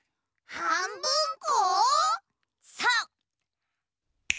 はんぶんこ。